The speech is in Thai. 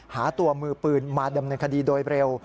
หาตัวมือปืนมาดำเนินคดีโดยเร็ว